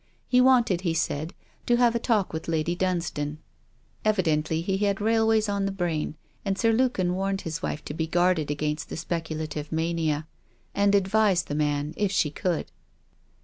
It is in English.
He wanted, he said, to have a talk with Lady Dunstane. Evidently he had railways on the brain, and Sir Lukin warned his wife to be guarded against the speculative mania, and advise the man, if she could.